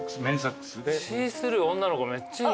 シースルー女の子めっちゃいいんじゃない？